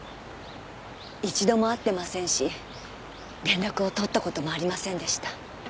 一度も会ってませんし連絡を取った事もありませんでした。